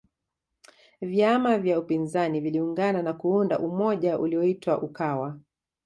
vyama vya upinzani viliungana na kuunda umoja uliyoitwa ukawa